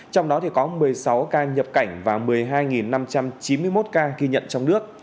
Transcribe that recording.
trong đó có một mươi sáu ca nhập cảnh và một mươi hai năm trăm chín mươi một ca ghi nhận trong nước